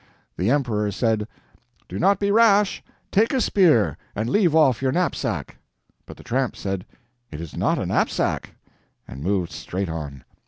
The emperor said: "Do not be rash, take a spear, and leave off your knapsack." But the tramp said: "It is not a knapsack," and moved straight on.